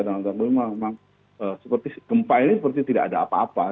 dalam tanda kutip memang seperti gempa ini seperti tidak ada apa apa gitu